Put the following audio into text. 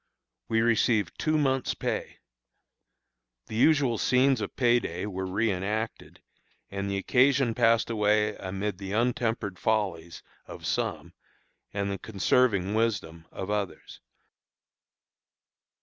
"We received two months' pay. The usual scenes of pay day were reënacted, and the occasion passed away amid the untempered follies of some and the conserving wisdom of others.